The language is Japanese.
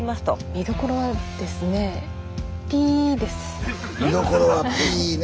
見どころはピーね。